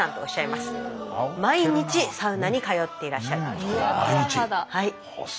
毎日サウナに通っていらっしゃいます。